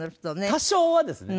多少はですね。